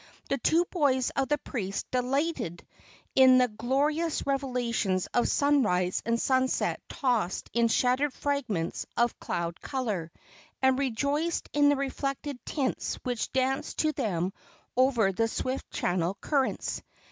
The two boys of the priest delighted in the glori¬ ous revelations of sunrise and sunset tossed in shattered fragments of cloud color, and rejoiced in the reflected tints which danced to them over the swift channel currents.